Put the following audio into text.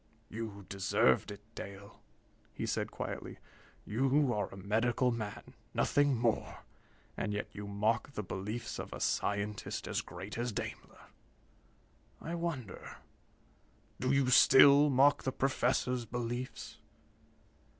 "You deserved it, Dale," he said quietly. "You are a medical man, nothing more, and yet you mock the beliefs of a scientist as great as Daimler. I wonder do you still mock the Professor's beliefs?"